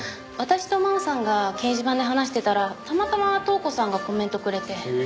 私と真央さんが掲示板で話してたらたまたま塔子さんがコメントくれて。